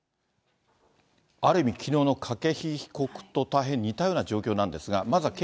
ある意味、きのうの筧被告と大変似たような状況なんですが。